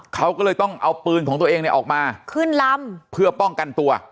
เขาก็เลยต้องเอาปืนของตัวเองเนี่ยออกมาขึ้นลำเพื่อป้องกันตัว